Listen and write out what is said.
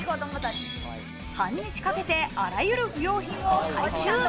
半日かけて、あらゆる不用品を回収。